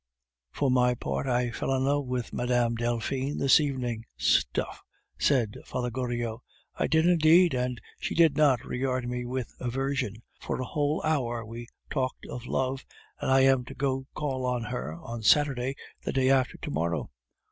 For my part, I fell in love with Mme. Delphine this evening." "Stuff!" said Father Goriot. "I did indeed, and she did not regard me with aversion. For a whole hour we talked of love, and I am to go to call on her on Saturday, the day after to morrow."